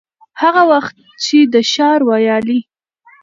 هغه وخت چي د ښار ويالې،